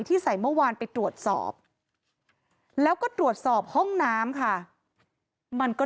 ใส่เมื่อวานไปตรวจสอบแล้วก็ตรวจสอบห้องน้ำค่ะมันก็